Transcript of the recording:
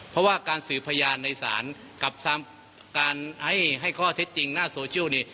เพราะว่าการสืบพยานในศาลกับการให้ข้อเท็จจริงหน้าโซเชียลนี้